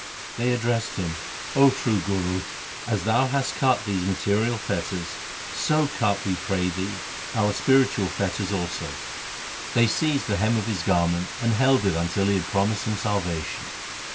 They addressed him, ' 0 true Guru, as thou hast cut these material fetters, so cut, we pray thee, our spiritual fetters 1 Ramkali. LIFE OF GURU HAR GOBIND 27 also.' They seized the hem of his garment and held it until he had promised them salvation.